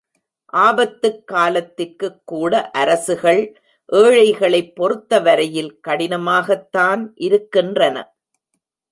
ஆபத்துக் காலத்திற்குக் கூட அரசுகள் ஏழைகளைப் பொறுத்தவரையில் கடினமாகத்தான் இருக்கின்றன.